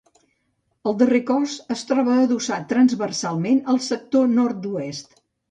El darrer cos es troba adossat transversalment al sector nord-oest.